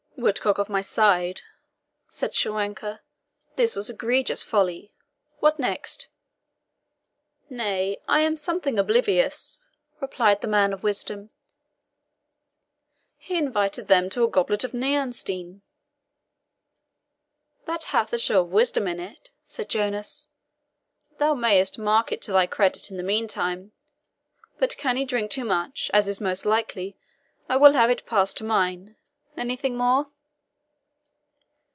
"Woodcock of my side," said Schwanker, "this was egregious folly. What next?" "Nay, I am something oblivious," replied the man of wisdom "he invited them to a goblet of NIERENSTEIN." "That hath a show of wisdom in it," said Jonas. "Thou mayest mark it to thy credit in the meantime; but an he drink too much, as is most likely, I will have it pass to mine. Anything more?"